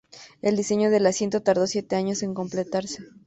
El diseño del asiento tardó siete años en completarse.